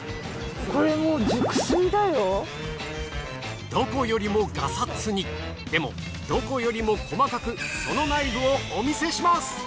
これもうどこよりもがさつにでもどこよりも細かくその内部をお見せします！